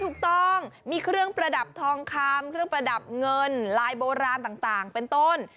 ถูกต้องมีเครื่องประดับทองคำเครื่องประดับเงินลายโบราณต่างเป็นต้น